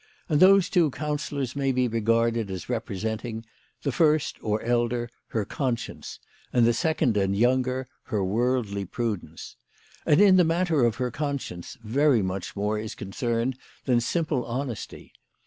And those two counsellors may be regarded as representing the first or elder her conscience, and the second and younger her worldly prudence. And in the matter of her conscience very much more is concerned than simple honesty.